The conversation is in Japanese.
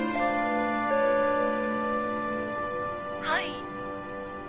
はい。